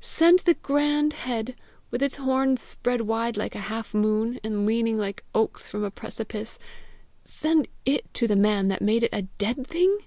send the grand head, with its horns spread wide like a half moon, and leaning like oaks from a precipice send it to the man that made it a dead thing!